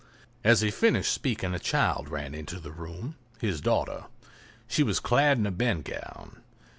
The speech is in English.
As he finished speaking, a child ran into the room—his little daughter. She was clad in a bedgown.